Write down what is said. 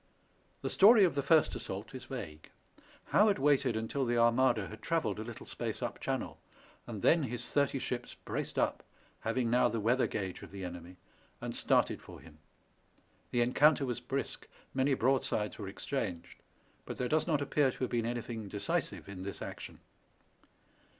The story of the first assault is vague. Howard waited until t^e Armada had travelled a little space up Channel, and then his thirty ships braced up, having now the weather guage of the enemy, and started for him. The encounter was brisk, many broadsides were exchanged, but there does not appear to have been anything decisive in this action.